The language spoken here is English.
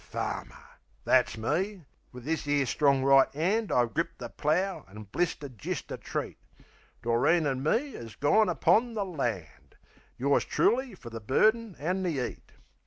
Farmer! That's me! Wiv this 'ere strong right 'and I've gripped the plough; and blistered jist a treat. Doreen an' me 'as gone upon the land. Yours truly fer the burden an' the 'eat!